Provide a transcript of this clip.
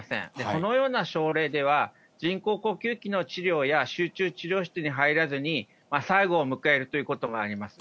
このような症例では、人工呼吸器の治療や、集中治療室に入らずに、最期を迎えるということがあります。